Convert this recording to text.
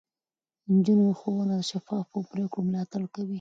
د نجونو ښوونه د شفافو پرېکړو ملاتړ کوي.